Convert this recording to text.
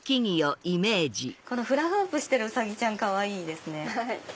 このフラフープしてるウサギちゃんかわいいですね。